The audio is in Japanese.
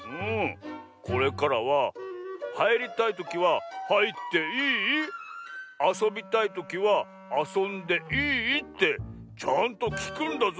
これからははいりたいときは「はいっていい？」あそびたいときは「あそんでいい？」ってちゃんときくんだぞ。